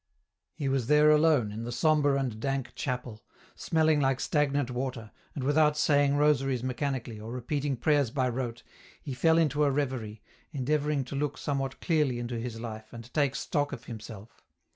He was there alone, in the sombre and dank chapel, smelling like stagnant water, and without saying rosaries mechanically, or repeating prayers by rote, he fell into a reverie, endeavouring to look somewhat clearly into his life, and take stock of himself.